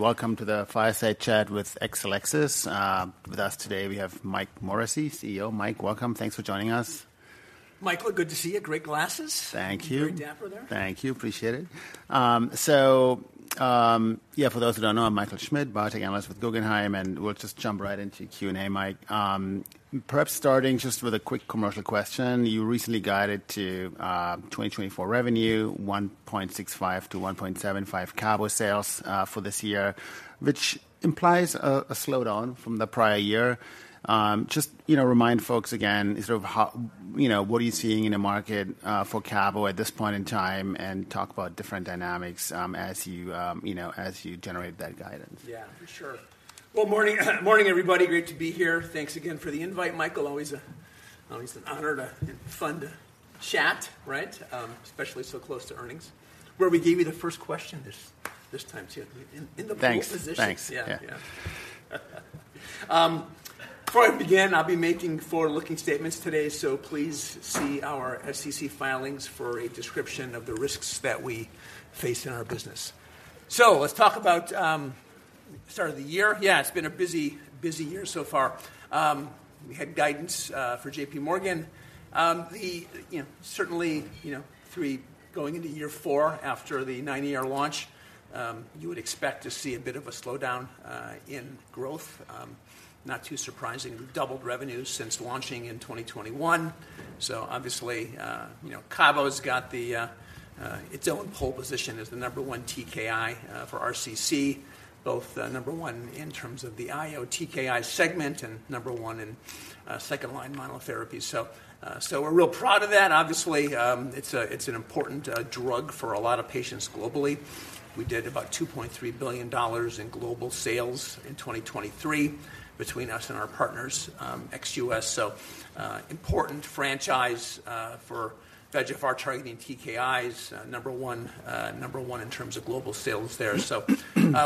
Welcome to the Fireside Chat with Exelixis. With us today, we have Mike Morrissey, CEO. Mike, welcome. Thanks for joining us. Michael, good to see you. Great glasses! Thank you. Very dapper there. Thank you. Appreciate it. So, yeah, for those who don't know, I'm Michael Schmidt, biotech analyst with Guggenheim, and we'll just jump right into Q&A, Mike. Perhaps starting just with a quick commercial question, you recently guided to 2024 revenue, $1.65 billion-$1.75 billion Cabo sales for this year, which implies a slowdown from the prior year. Just, you know, remind folks again, sort of how, you know, what are you seeing in the market for Cabo at this point in time, and talk about different dynamics as you generate that guidance? Yeah, for sure. Well, morning, morning, everybody. Great to be here. Thanks again for the invite, Michael. Always a, always an honor to, and fun to chat, right? Especially so close to earnings, where we gave you the first question this, this time, too, in, in the pole position. Thanks. Thanks. Yeah, yeah. Before I begin, I'll be making forward-looking statements today, so please see our SEC filings for a description of the risks that we face in our business. So let's talk about start of the year. Yeah, it's been a busy, busy year so far. We had guidance for J.P. Morgan. You know, certainly, you know, three, going into year four after the nine-year launch, you would expect to see a bit of a slowdown in growth. Not too surprising. We've doubled revenues since launching in 2021. So obviously, you know, Cabo's got the, its own pole position as the number one TKI for RCC, both number one in terms of the IO TKI segment and number one in second line monotherapy. So we're real proud of that. Obviously, it's a, it's an important drug for a lot of patients globally. We did about $2.3 billion in global sales in 2023 between us and our partners, ex-US. So, important franchise for VEGFR targeting TKIs, number one, number one in terms of global sales there. So,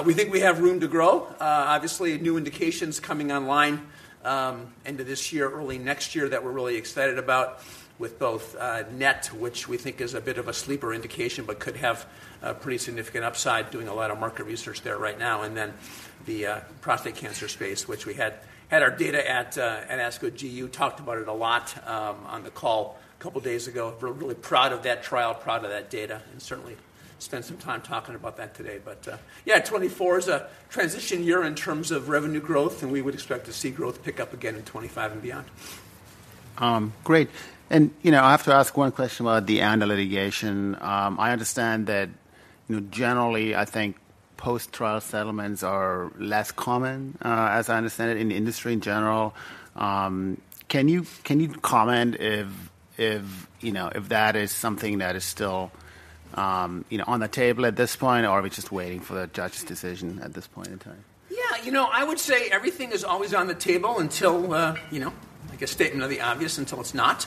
we think we have room to grow. Obviously, new indications coming online, end of this year, early next year, that we're really excited about with both, NET, which we think is a bit of a sleeper indication, but could have a pretty significant upside, doing a lot of market research there right now. And then the, prostate cancer space, which we had, had our data at, at ASCO GU. Talked about it a lot, on the call a couple days ago. We're really proud of that trial, proud of that data, and certainly spend some time talking about that today. But, yeah, 2024 is a transition year in terms of revenue growth, and we would expect to see growth pick up again in 2025 and beyond. Great. You know, I have to ask one question about the ANDA litigation. I understand that, you know, generally, I think post-trial settlements are less common, as I understand it, in the industry in general. Can you comment if, you know, if that is something that is still, you know, on the table at this point, or are we just waiting for the judge's decision at this point in time? Yeah, you know, I would say everything is always on the table until, you know, like a statement of the obvious, until it's not.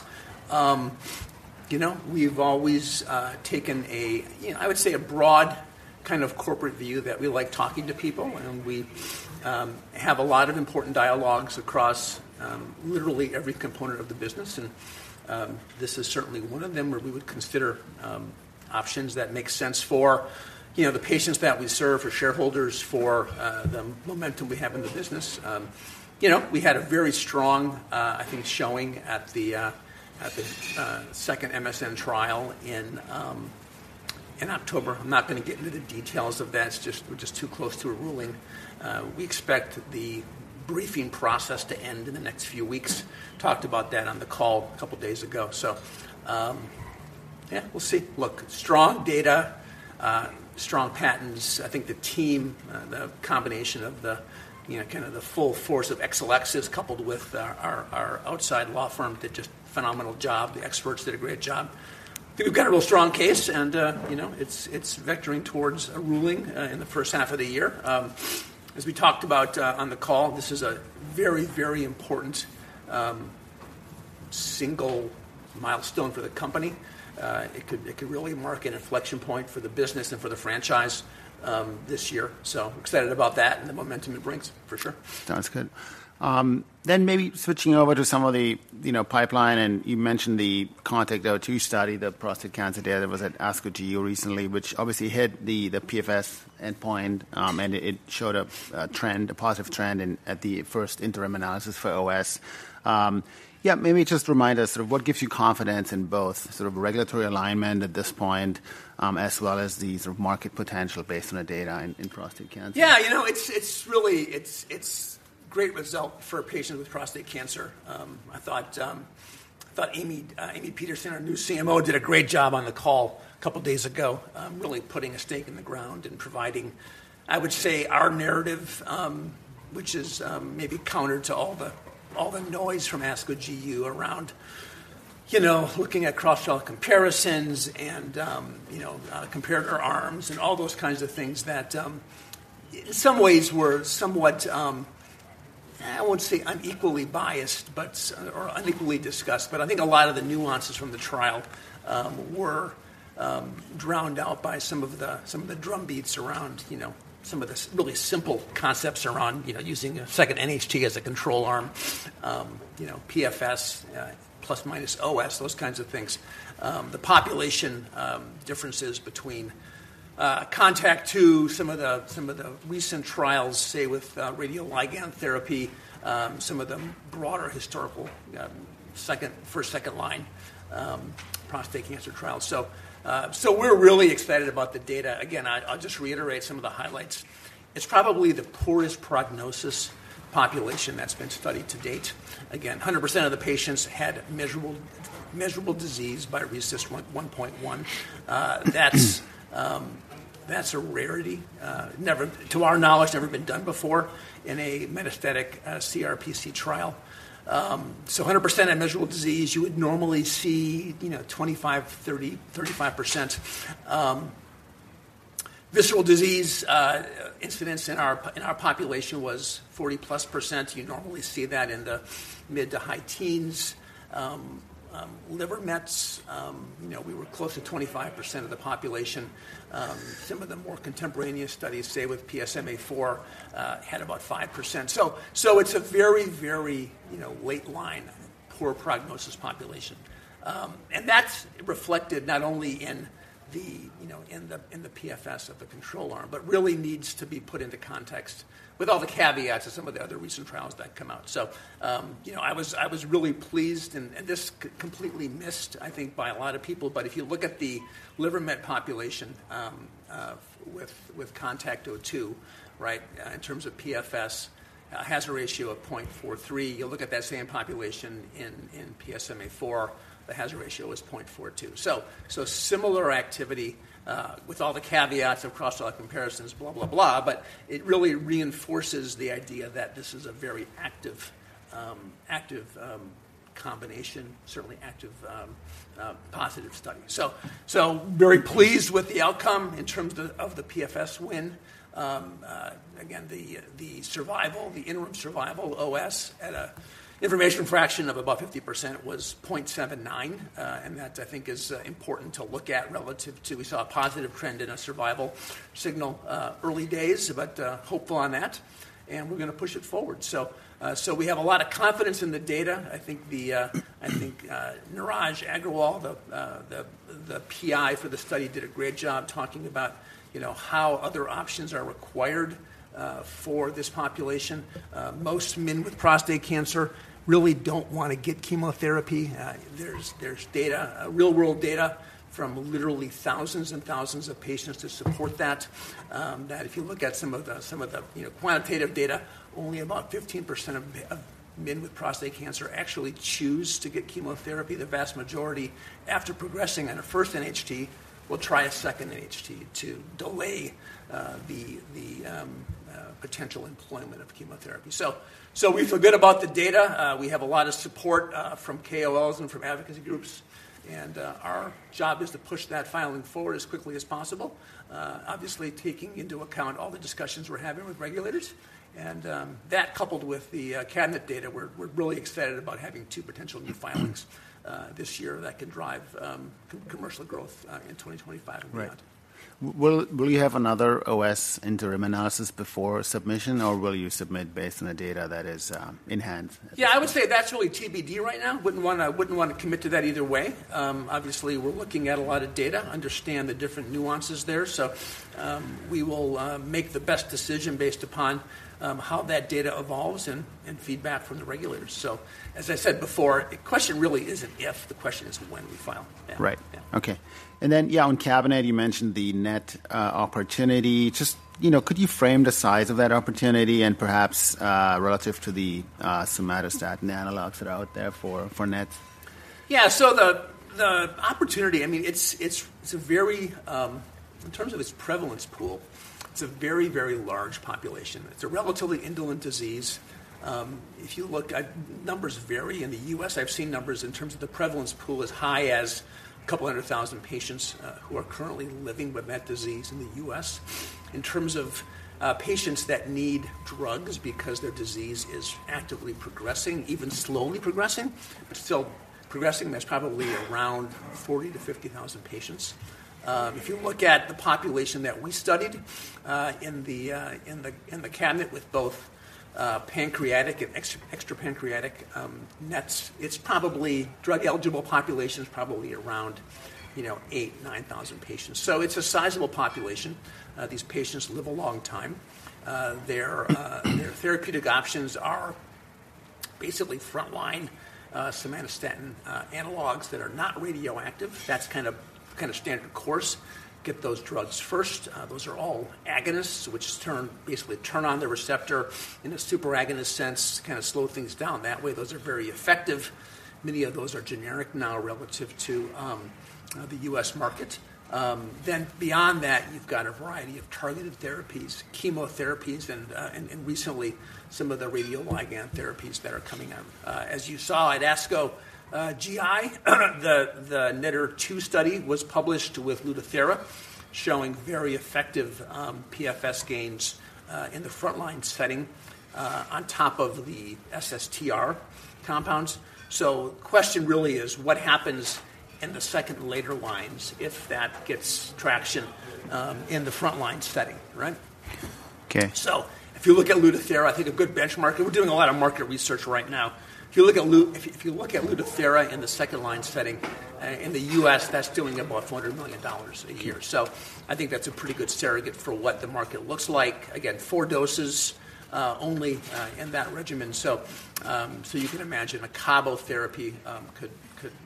You know, we've always taken a, you know, I would say a broad kind of corporate view that we like talking to people, and we have a lot of important dialogues across, literally every component of the business. And this is certainly one of them, where we would consider options that make sense for, you know, the patients that we serve, for shareholders, for the momentum we have in the business. You know, we had a very strong, I think, showing at the second ANDA trial in October. I'm not going to get into the details of that. It's just we're just too close to a ruling. We expect the briefing process to end in the next few weeks. Talked about that on the call a couple days ago. So, yeah, we'll see. Look, strong data, strong patents. I think the team, the combination of the, you know, kind of the full force of Exelixis, coupled with our, our, our outside law firm, did just a phenomenal job. The experts did a great job. I think we've got a real strong case, and, you know, it's, it's vectoring towards a ruling, in the first half of the year. As we talked about, on the call, this is a very, very important, single milestone for the company. It could, it could really mark an inflection point for the business and for the franchise, this year. So excited about that and the momentum it brings, for sure. Sounds good. Then maybe switching over to some of the, you know, pipeline, and you mentioned the CONTACT-02 study, the prostate cancer data that was at ASCO GU recently, which obviously hit the PFS endpoint, and it showed a trend, a positive trend in at the first interim analysis for OS. Yeah, maybe just remind us of what gives you confidence in both sort of regulatory alignment at this point, as well as the sort of market potential based on the data in prostate cancer? Yeah, you know, it's really great result for a patient with prostate cancer. I thought, I thought Amy, Amy Peterson, our new CMO, did a great job on the call a couple of days ago, really putting a stake in the ground and providing, I would say, our narrative, which is, maybe counter to all the, all the noise from ASCO GU around, you know, looking at cross-trial comparisons and, you know, comparator arms and all those kinds of things that, in some ways were somewhat, I won't say unequally biased, but or unequally discussed, but I think a lot of the nuances from the trial, were, drowned out by some of the, some of the drumbeats around, you know, some of the really simple concepts around, you know, using a second NHT as a control arm, you know, PFS, plus minus OS, those kinds of things. The population differences between CONTACT-02 and some of the recent trials, say, with radioligand therapy, some of the broader historical first- and second-line prostate cancer trials. So, we're really excited about the data. Again, I'll just reiterate some of the highlights. It's probably the poorest prognosis population that's been studied to date. Again, 100% of the patients had measurable disease by RECIST 1.1. That's a rarity, never, to our knowledge, been done before in a metastatic CRPC trial. So, 100% measurable disease, you would normally see, you know, 25%, 30%, 35%. Visceral disease incidence in our population was 40+%. You normally see that in the mid- to high teens. Liver mets, you know, we were close to 25% of the population. Some of the more contemporaneous studies, say, with PSMAfore, had about 5%. So, it's a very, very, you know, late line, poor prognosis population. And that's reflected not only in the, you know, PFS of the control arm, but really needs to be put into context with all the caveats of some of the other recent trials that come out. So, you know, I was really pleased and this completely missed, I think, by a lot of people. But if you look at the liver met population with CONTACT-02, right, in terms of PFS, a hazard ratio of 0.43, you look at that same population in PSMAfore, the hazard ratio is 0.42. So similar activity with all the caveats of cross trial comparisons, blah, blah, blah, but it really reinforces the idea that this is a very active combination, certainly active positive study. So very pleased with the outcome in terms of the PFS win. Again, the survival, the interim survival OS at an information fraction of above 50% was 0.79. And that, I think, is important to look at relative to... We saw a positive trend in a survival signal, early days, but hopeful on that, and we're going to push it forward. So, so we have a lot of confidence in the data. I think the, I think, Neeraj Agarwal, the, the PI for the study, did a great job talking about, you know, how other options are required, for this population. Most men with prostate cancer really don't want to get chemotherapy. There's, there's data, real-world data from literally thousands and thousands of patients to support that. That if you look at some of the, some of the, you know, quantitative data, only about 15% of men with prostate cancer actually choose to get chemotherapy. The vast majority, after progressing on a first NHT, will try a second NHT to delay the potential employment of chemotherapy. So we feel good about the data. We have a lot of support from KOLs and from advocacy groups, and our job is to push that filing forward as quickly as possible. Obviously, taking into account all the discussions we're having with regulators, and that coupled with the CABINET data, we're really excited about having two potential new filings this year that can drive commercial growth in 2025 and beyond. Right. Will you have another OS interim analysis before submission, or will you submit based on the data that is in hand? Yeah, I would say that's really TBD right now. Wouldn't want to commit to that either way. Obviously, we're looking at a lot of data, understand the different nuances there. So, we will make the best decision based upon how that data evolves and feedback from the regulators. So, as I said before, the question really isn't if, the question is when we file. Right. Yeah. Okay. And then, yeah, on CABINET, you mentioned the NET opportunity. Just, you know, could you frame the size of that opportunity and perhaps relative to the somatostatin analogs that are out there for NET? Yeah. So the opportunity, I mean, it's a very... In terms of its prevalence pool, it's a very, very large population. It's a relatively indolent disease. If you look at numbers vary in the US, I've seen numbers in terms of the prevalence pool as high as a couple hundred thousand patients who are currently living with met disease in the US. In terms of patients that need drugs because their disease is actively progressing, even slowly progressing, but still progressing, that's probably around 40,000-50,000 patients. If you look at the population that we studied in the CABINET with both pancreatic and extrapancreatic NETs, it's probably drug-eligible population is probably around, you know, 8,000-9,000 patients. So it's a sizable population. These patients live a long time. Their therapeutic options are basically frontline somatostatin analogs that are not radioactive. That's kind of standard course. Get those drugs first. Those are all agonists, which basically turn on the receptor in a superagonist sense, kind of slow things down. That way, those are very effective. Many of those are generic now relative to the U.S. market. Then beyond that, you've got a variety of targeted therapies, chemotherapies, and recently, some of the radioligand therapies that are coming out. As you saw at ASCO GI, the NETTER-2 study was published with Lutathera, showing very effective PFS gains in the frontline setting on top of the SSTR compounds. So the question really is, what happens in the second later lines if that gets traction, in the frontline setting, right?...So if you look at Lutathera, I think a good benchmark, and we're doing a lot of market research right now. If you look at Lutathera in the second-line setting, in the U.S., that's doing about $400 million a year. So I think that's a pretty good surrogate for what the market looks like. Again, four doses, only, in that regimen. So, so you can imagine a Cabo therapy, could,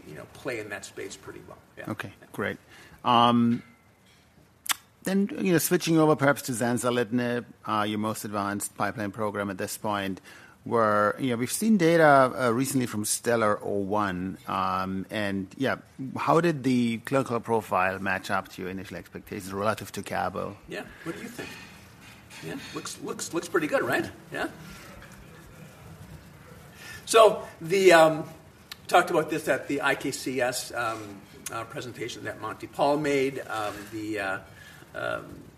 you know, play in that space pretty well. Yeah. Okay, great. Then, you know, switching over perhaps to zanzalintinib, your most advanced pipeline program at this point, where, you know, we've seen data recently from STELLAR-301. And, yeah, how did the clinical profile match up to your initial expectations relative to Cabo? Yeah. What do you think? Yeah, looks pretty good, right? Yeah. Yeah. So they talked about this at the IKCS presentation that Monty Pal made. Then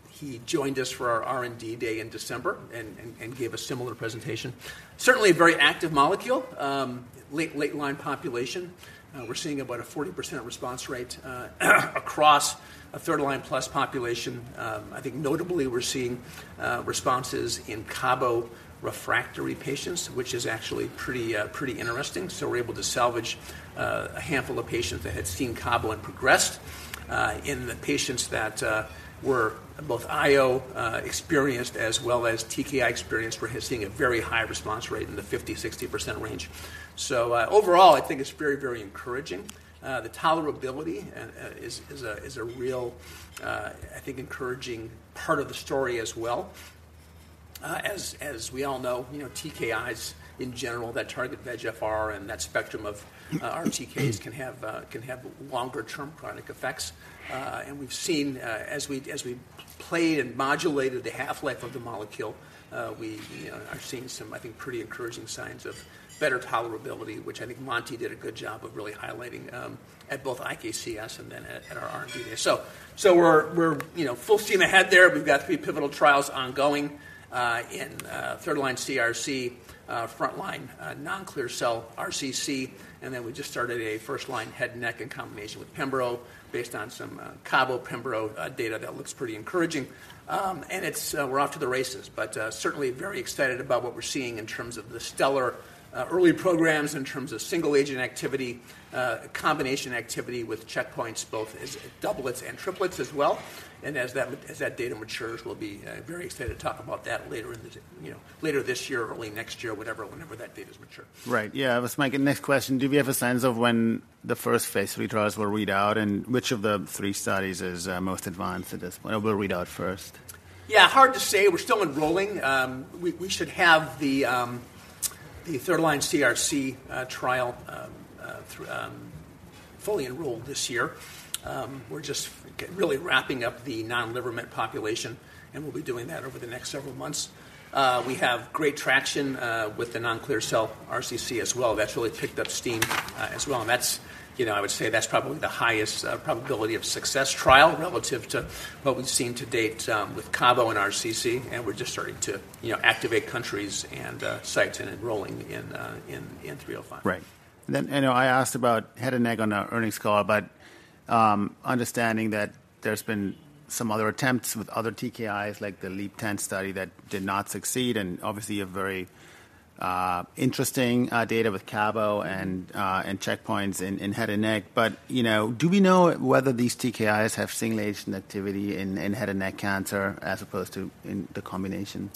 he joined us for our R&D day in December and gave a similar presentation. Certainly, a very active molecule, late-line population. We're seeing about a 40% response rate across a third-line plus population. I think notably, we're seeing responses in Cabo refractory patients, which is actually pretty interesting. So we're able to salvage a handful of patients that had seen Cabo and progressed. In the patients that were both IO experienced as well as TKI experienced, we're seeing a very high response rate in the 50-60% range. So overall, I think it's very, very encouraging. The tolerability is a real, I think, encouraging part of the story as well. As we all know, you know, TKIs, in general, that target VEGFR and that spectrum of our TKIs can have longer-term chronic effects. And we've seen, as we played and modulated the half-life of the molecule, we, you know, are seeing some, I think, pretty encouraging signs of better tolerability, which I think Monty did a good job of really highlighting at both IKCS and then at our R&D day. So we're, you know, full steam ahead there. We've got three pivotal trials ongoing in third-line CRC, front-line non-clear cell RCC, and then we just started a first-line head and neck in combination with Pembro, based on some Cabo Pembro data that looks pretty encouraging. And it's, we're off to the races, but certainly very excited about what we're seeing in terms of the STELLAR early programs, in terms of single agent activity, combination activity with checkpoints, both as doublets and triplets as well. And as that, as that data matures, we'll be very excited to talk about that later in the you know, later this year or early next year, whatever, whenever that data's mature. Right. Yeah, that's my next question. Do we have a sense of when the first phase III trials will read out, and which of the three studies is most advanced at this point, or will read out first? Yeah, hard to say. We're still enrolling. We should have the third-line CRC trial fully enrolled this year. We're just really wrapping up the non-liver met population, and we'll be doing that over the next several months. We have great traction with the non-clear cell RCC as well. That's really picked up steam as well, and that's, you know, I would say that's probably the highest probability of success trial relative to what we've seen to date with Cabo and RCC, and we're just starting to, you know, activate countries and sites and enrolling in 305. Right. Then, and I asked about head and neck on an earnings call, but, understanding that there's been some other attempts with other TKIs, like the LEAP-010 study that did not succeed, and obviously, a very, interesting, data with Cabo and, and checkpoints in, in head and neck. But, you know, do we know whether these TKIs have single-agent activity in, in head and neck cancer as opposed to in the combination?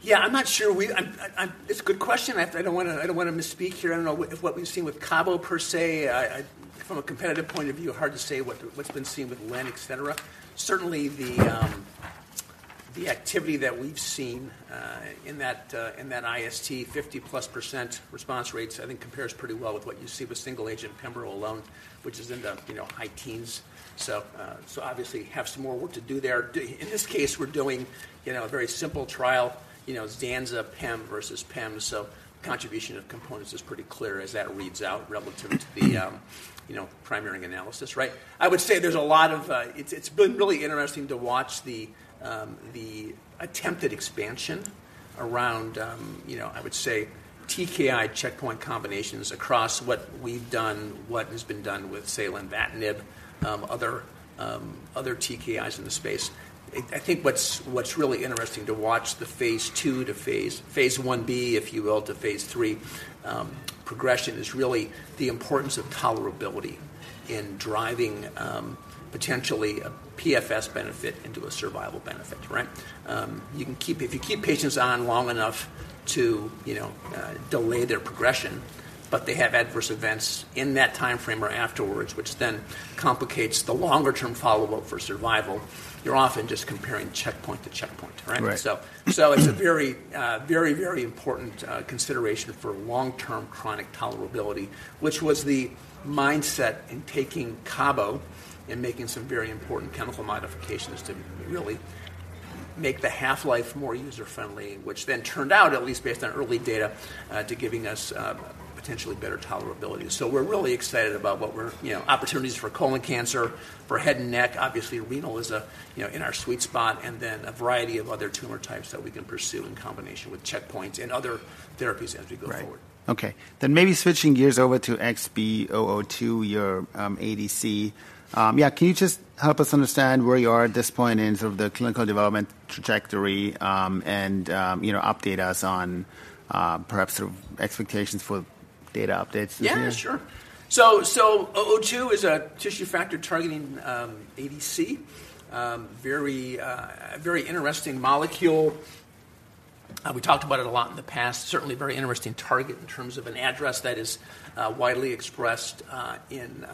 Yeah, I'm not sure. I'm, it's a good question. I don't wanna, I don't wanna misspeak here. I don't know if what we've seen with Cabo per se, from a competitive point of view, hard to say what's been seen with Len, et cetera. Certainly, the activity that we've seen in that IST, 50+% response rates, I think, compares pretty well with what you see with single-agent Pembro alone, which is in the, you know, high teens. So, obviously, have some more work to do there. In this case, we're doing, you know, a very simple trial, you know, Zanza, Pem versus Pem. So contribution of components is pretty clear as that reads out relative to the, you know, primary analysis, right? I would say there's a lot of... It's, it's been really interesting to watch the, the attempted expansion around, you know, I would say TKI checkpoint combinations across what we've done, what has been done with, say, Lenvatinib, other, other TKIs in the space. I, I think what's, what's really interesting to watch the phase 2 to phase, phase 1B, if you will, to phase 3, progression, is really the importance of tolerability in driving, potentially a PFS benefit into a survival benefit, right? You can keep- if you keep patients on long enough to, you know, delay their progression, but they have adverse events in that timeframe or afterwards, which then complicates the longer-term follow-up for survival, you're often just comparing checkpoint to checkpoint, right? Right. So, it's a very, very, very important consideration for long-term chronic tolerability, which was the mindset in taking Cabo and making some very important chemical modifications to really make the half-life more user-friendly, which then turned out, at least based on early data, to giving us potentially better tolerability. So we're really excited about what we're, you know, opportunities for colon cancer, for head and neck. Obviously, renal is a, you know, in our sweet spot, and then a variety of other tumor types that we can pursue in combination with checkpoints and other therapies as we go forward. Right. Okay, then maybe switching gears over to XB002, your ADC. Yeah, can you just help us understand where you are at this point in sort of the clinical development trajectory, and you know, update us on perhaps the expectations for data updates this year? Yeah, sure. So, 002 is a tissue factor-targeting ADC. A very interesting molecule. We talked about it a lot in the past. Certainly, a very interesting target in terms of an address that is widely expressed in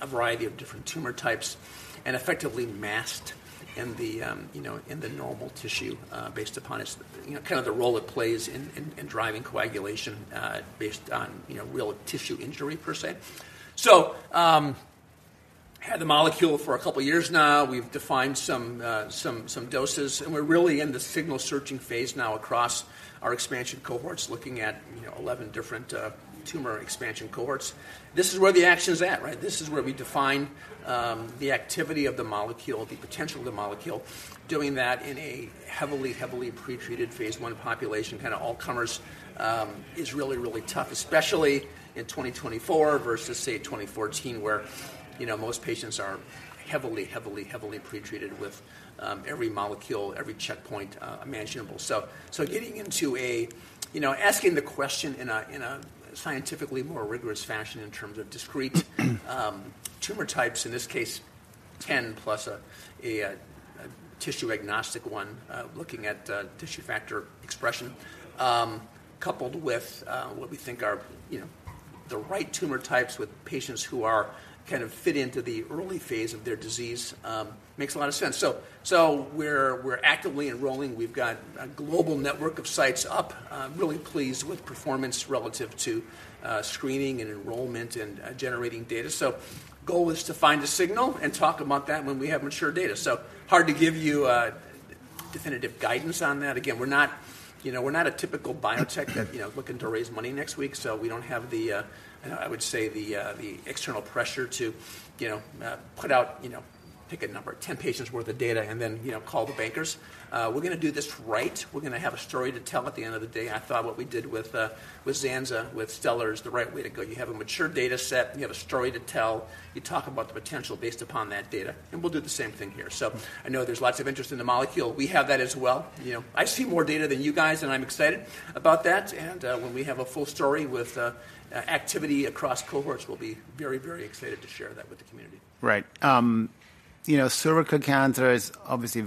a variety of different tumor types and effectively masked in the, you know, in the normal tissue, based upon its, you know, kind of the role it plays in driving coagulation, based on, you know, real tissue injury per se. So, had the molecule for a couple of years now. We've defined some doses, and we're really in the signal searching phase now across our expansion cohorts, looking at, you know, 11 different tumor expansion cohorts. This is where the action is at, right? This is where we define the activity of the molecule, the potential of the molecule. Doing that in a heavily, heavily pretreated phase I population, kinda all comers, is really, really tough, especially in 2024 versus, say, 2014, where, you know, most patients are heavily, heavily, heavily pretreated with every molecule, every checkpoint imaginable. So, so you know, asking the question in a scientifically more rigorous fashion in terms of discrete tumor types, in this case, 10 plus a tissue-agnostic one, looking at tissue factor expression, coupled with what we think are, you know, the right tumor types with patients who are kind of fit into the early phase of their disease, makes a lot of sense. So, so we're, we're actively enrolling. We've got a global network of sites up. I'm really pleased with performance relative to screening and enrollment and generating data. So goal is to find a signal and talk about that when we have mature data. So hard to give you definitive guidance on that. Again, we're not, you know, we're not a typical biotech that, you know, looking to raise money next week, so we don't have the, I would say, the external pressure to, you know, put out, you know, pick a number, 10 patients worth of data, and then, you know, call the bankers. We're gonna do this right. We're gonna have a story to tell at the end of the day. I thought what we did with Zanza, with STELLAR, is the right way to go. You have a mature data set, you have a story to tell, you talk about the potential based upon that data, and we'll do the same thing here. So I know there's lots of interest in the molecule. We have that as well, you know. I see more data than you guys, and I'm excited about that. And, when we have a full story with activity across cohorts, we'll be very, very excited to share that with the community. Right. You know, cervical cancer is obviously,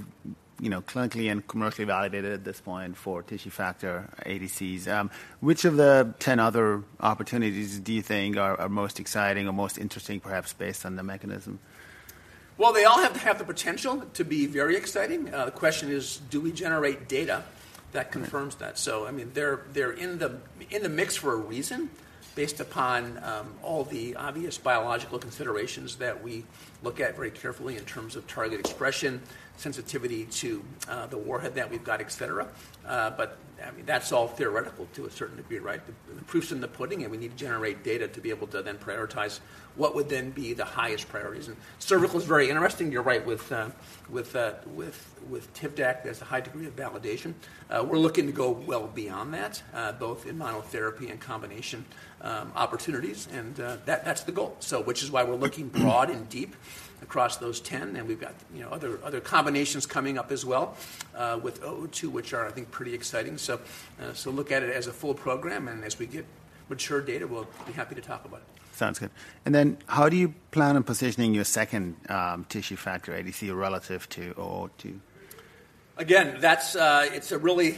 you know, clinically and commercially validated at this point for tissue factor ADCs. Which of the 10 other opportunities do you think are most exciting or most interesting, perhaps based on the mechanism? Well, they all have to have the potential to be very exciting. The question is, do we generate data that confirms that? So, I mean, they're in the mix for a reason, based upon all the obvious biological considerations that we look at very carefully in terms of target expression, sensitivity to the warhead that we've got, et cetera. But, I mean, that's all theoretical to a certain degree, right? The proof's in the pudding, and we need to generate data to be able to then prioritize what would then be the highest priorities. Cervical is very interesting. You're right with Tivdak, there's a high degree of validation. We're looking to go well beyond that, both in monotherapy and combination opportunities, and that's the goal. So which is why we're looking broad and deep across those 10, and we've got, you know, other, other combinations coming up as well, with XB002, which are, I think, pretty exciting. So, so look at it as a full program, and as we get mature data, we'll be happy to talk about it. Sounds good. And then how do you plan on positioning your second tissue factor ADC relative to XB002? Again, that's, it's a really,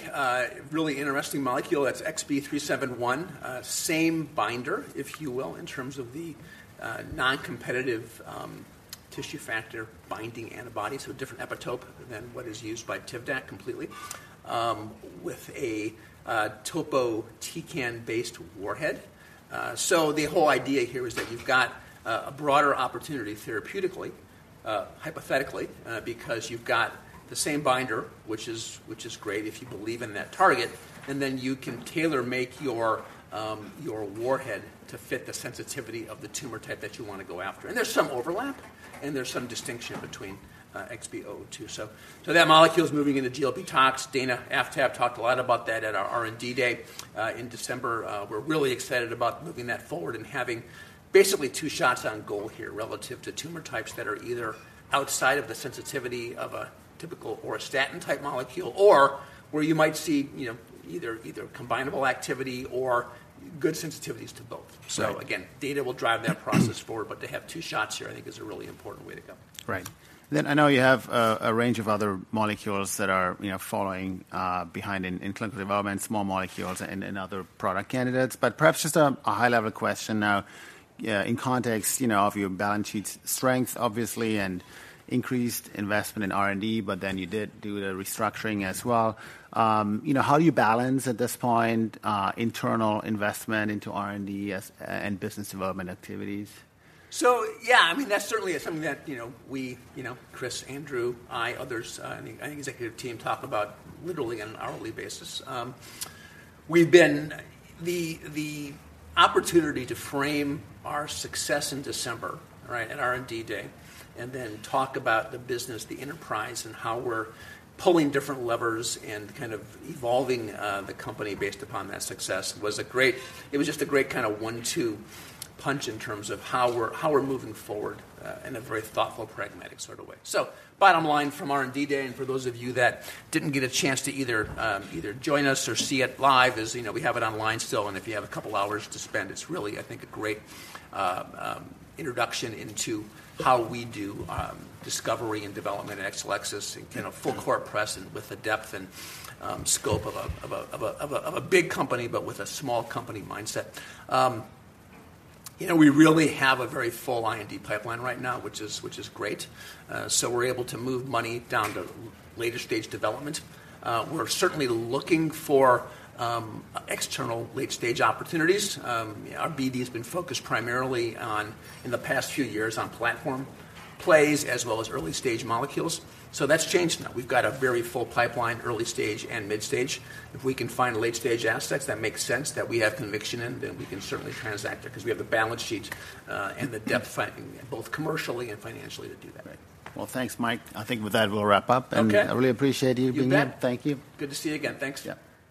really interesting molecule. That's XB371, same binder, if you will, in terms of the non-competitive tissue factor binding antibody, so a different epitope than what is used by Tivdak completely, with a topotecan-based warhead. So the whole idea here is that you've got a broader opportunity therapeutically, hypothetically, because you've got the same binder, which is great if you believe in that target, and then you can tailor-make your warhead to fit the sensitivity of the tumor type that you want to go after. And there's some overlap, and there's some distinction between XB002. So that molecule is moving into GLP tox. Dana Aftab talked a lot about that at our R&D Day in December. We're really excited about moving that forward and having basically two shots on goal here relative to tumor types that are either outside of the sensitivity of a typical auristatin-type molecule, or where you might see, you know, either combinable activity or good sensitivities to both. Right. Again, data will drive that process forward, but to have two shots here, I think is a really important way to go. Right. Then I know you have a range of other molecules that are, you know, following behind in clinical development, small molecules and other product candidates. But perhaps just a high-level question now, in context, you know, of your balance sheet strength, obviously, and increased investment in R&D, but then you did do the restructuring as well. You know, how do you balance at this point, internal investment into R&D and business development activities? So yeah, I mean, that's certainly something that, you know, we, you know, Chris, Andrew, I, others, I think executive team talk about literally on an hourly basis. The opportunity to frame our success in December, right, at R&D Day, and then talk about the business, the enterprise, and how we're pulling different levers and kind of evolving the company based upon that success was a great-- It was just a great kinda one-two punch in terms of how we're, how we're moving forward in a very thoughtful, pragmatic sort of way. So bottom line from R&D Day, and for those of you that didn't get a chance to either join us or see it live, as you know, we have it online still, and if you have a couple of hours to spend, it's really, I think, a great introduction into how we do discovery and development at Exelixis, in a full court press and with the depth and scope of a big company, but with a small company mindset. You know, we really have a very full R&D pipeline right now, which is great. So we're able to move money down to later-stage development. We're certainly looking for external late-stage opportunities. Our BD has been focused primarily on, in the past few years, on platform plays as well as early-stage molecules. So that's changed now. We've got a very full pipeline, early stage and mid stage. If we can find late-stage assets, that makes sense, that we have conviction in, then we can certainly transact it because we have the balance sheet, and the depth funding, both commercially and financially, to do that. Well, thanks, Mike. I think with that, we'll wrap up. Okay. I really appreciate you being here. You bet. Thank you. Good to see you again. Thanks. Yeah.